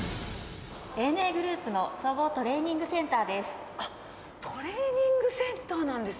ＡＮＡグループの総合トレーニングセンターです。